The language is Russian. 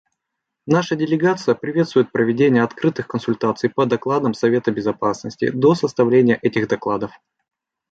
Наша делегация приветствует проведение открытых консультаций по докладам Совета Безопасности до составления этих докладов.